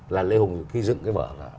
là lê hùng khi dựng cái vở là